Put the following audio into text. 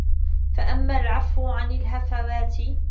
فَأَمَّا الْعَفْوُ عَنْ الْهَفَوَاتِ